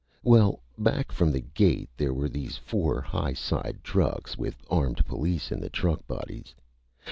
Well back from the gate, there were four high side trucks with armed police in the truck bodies.